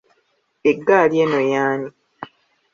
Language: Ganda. Eggali eno y’ani?